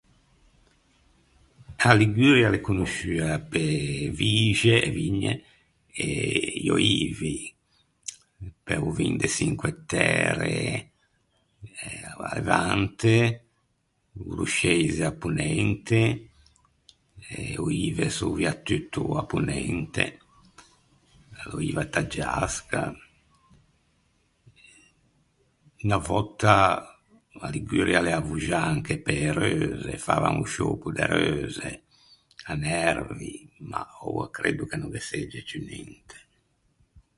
A Liguria a l’é conosciua pe-e vixe, e vigne e i öivi, pe-o vin de Çinque Tære à Levante, o rosceise à Ponente, e öive soviatutto à Ponente, l’öiva taggiasca. Unna vòtta a Liguria a l’ea avvoxâ anche pe-e reuse, favan o sciöpo de reuse, à Nervi, ma oua creddo che no ghe segge ciù ninte.